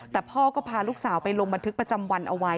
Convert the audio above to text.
แต่พ่อก็พาลูกสาวไปลงบันทึกประจำวันเอาไว้